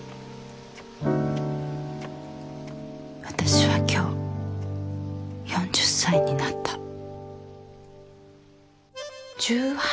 私は今日４０歳になった